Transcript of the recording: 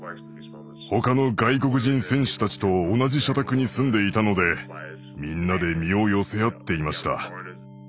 他の外国人選手たちと同じ社宅に住んでいたのでみんなで身を寄せ合っていました。